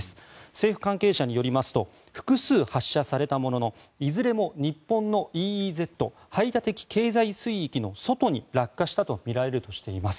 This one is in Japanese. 政府関係者によりますと複数発射されたもののいずれも、日本のＥＥＺ・排他的経済水域の外に落下したとみられるとしています。